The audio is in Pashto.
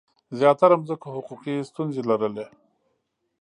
زیاتره ځمکو حقوقي ستونزي لرلي.